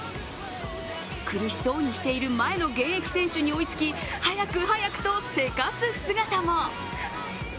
苦しそうにしている前の現役選手に追いつき早く早くと急かす姿も。